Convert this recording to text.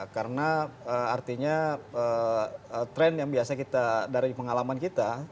karena artinya tren yang biasa kita dari pengalaman kita